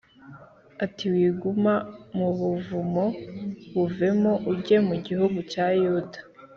ati “Wiguma mu buvumo, buvemo ujye mu gihugu cya Yuda.”